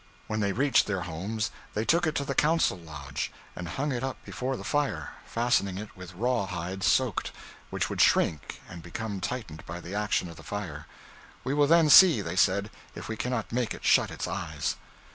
When they reached their homes they took it to the council lodge, and hung it up before the fire, fastening it with raw hide soaked, which would shrink and become tightened by the action of the fire. 'We will then see,' they said, 'if we cannot make it shut its eyes.'